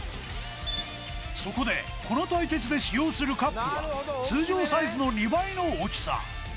そこでこの対決で使用するカップは通常サイズの２倍の大きさ